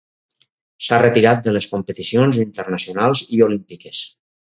S'ha retirat de les competicions internacionals i olímpiques.